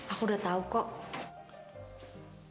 aku udah tau kok